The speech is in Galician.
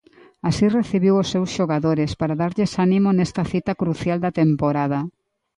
Así recibiu os seus xogadores, para darlles ánimo nesta cita crucial da temporada.